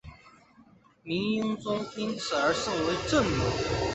明英宗因此而甚为震怒。